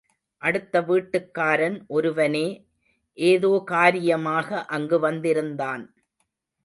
அடுத்த வீட்டுக்காரன் ஒருவனே ஏதோகாரியமாக அங்கு வந்திருந்தான்.